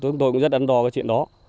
chúng tôi cũng rất đắn đo cái chuyện đó